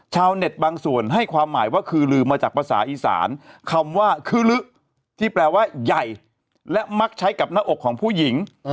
ชาวเน็ตบางส่วนให้ความหมายว่าคือลืมมาจากภาษาอีสานคำว่าคือลึกที่แปลว่าใหญ่และมักใช้กับหน้าอกของผู้หญิง